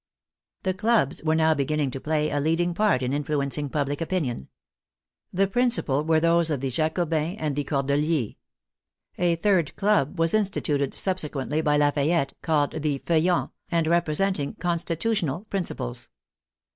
The clubs were now beginning to play a leading part in influencing public opinion. The principal were those of the Jacobins and the Cordeliers. A third club was in stituted subsequently by Lafayette, called the Feuillants, and representing " constitutional " principles.